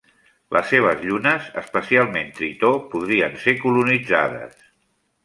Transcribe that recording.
Les seves llunes, especialment Tritó, podrien ser colonitzades.